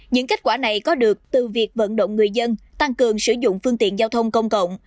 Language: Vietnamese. những kết quả này có được từ việc vận động người dân tăng cường sử dụng phương tiện giao thông công cộng